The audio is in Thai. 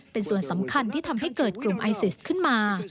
เป็นส่วนสำคัญที่ทำให้เกิดกลุ่มไอซิสขึ้นมา